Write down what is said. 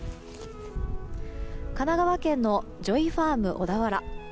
神奈川県のジョイファーム小田原。